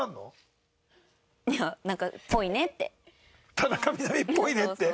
「田中みな実っぽいね」